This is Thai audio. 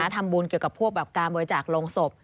ทำบุญเกี่ยวกับการโบยจากโรงศพ